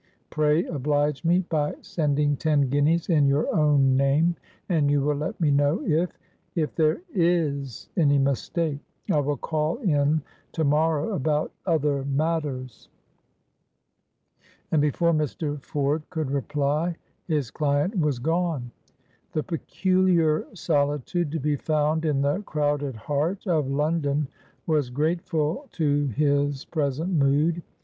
Pray oblige me by sending ten guineas in your own name, and you will let me know if—if there is any mistake. I will call in to morrow about other matters." And before Mr. Ford could reply his client was gone. The peculiar solitude to be found in the crowded heart of London was grateful to his present mood.